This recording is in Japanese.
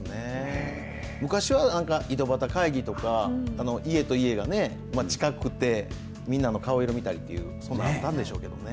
昔は井戸端会議とか、家と家が近くて、みんなの顔色見たりというのあったんでしょうけどね。